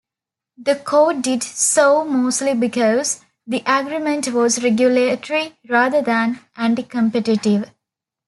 The Court did so mostly because the agreement was regulatory rather than anticompetitive.